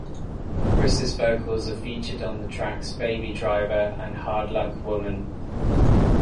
Criss' vocals are featured on the tracks "Baby Driver" and "Hard Luck Woman".